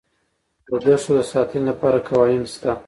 د دښتو د ساتنې لپاره قوانین شته.